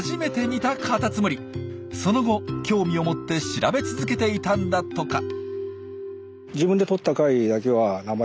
その後興味を持って調べ続けていたんだとか。